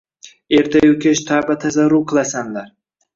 Erta-yu-kech tavba-tazarru qilasanlar!